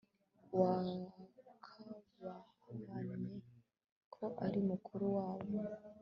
uwakabahannye ko ari mukuru wabo